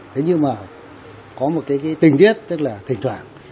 thế nhưng mà có một cái tình tiết tức là thỉnh thoảng